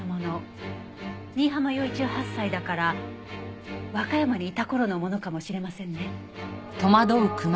新浜陽一は８歳だから和歌山にいた頃のものかもしれませんね。